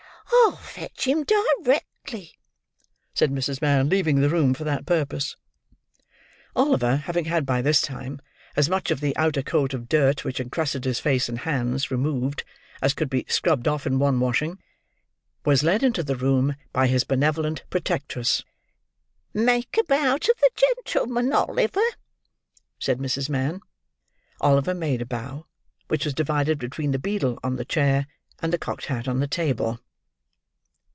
"I'll fetch him directly," said Mrs. Mann, leaving the room for that purpose. Oliver, having had by this time as much of the outer coat of dirt which encrusted his face and hands, removed, as could be scrubbed off in one washing, was led into the room by his benevolent protectress. "Make a bow to the gentleman, Oliver," said Mrs. Mann. Oliver made a bow, which was divided between the beadle on the chair, and the cocked hat on the table.